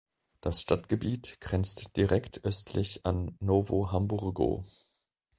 Das Stadtgebiet grenzt direkt östlich an Novo Hamburgo.